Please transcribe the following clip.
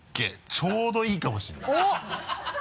ちょうどいいかもしれないおっ。